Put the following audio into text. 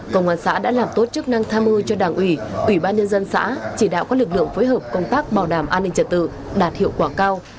công an xã đã làm tốt chức năng tham ưu cho đảng ủy ủy ban nhân dân xã chỉ đạo các lực lượng phối hợp công tác bảo đảm an ninh trật tự đạt hiệu quả cao